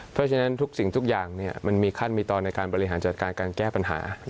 เพราะฉะนั้นทุกสิ่งทุกอย่างมันมีขั้นมีตอนในการบริหารจัดการการแก้ปัญหา